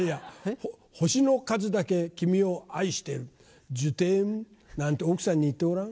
星の数だけ君を愛してるジュテームなんて奥さんに言ってごらん。